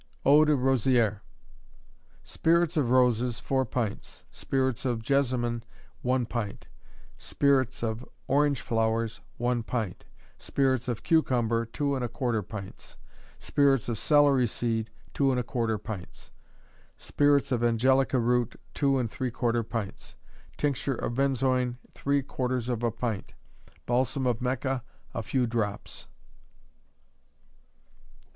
Eau de Rosieres. Spirits of roses, 4 pints; spirits of jessamine, one pint; spirits of orange flowers, one pint; spirits of cucumber, two and a quarter pints; spirits of celery seed, two and a quarter pints; spirits of angelica root, two and three quarter pints; tincture of benzoin, three quarters of a pint; balsam of Mecca, a few drops.